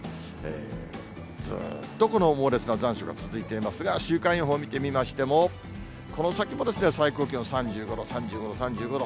ずーっとこの猛烈な残暑が続いていますが、週間予報見てみましても、この先も最高気温３５度、３５度、３５度。